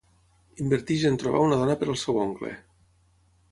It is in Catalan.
Inverteix en trobar una dona per al seu oncle.